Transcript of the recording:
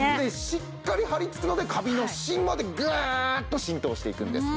しっかり張りつくのでカビの芯までグーッと浸透していくんです。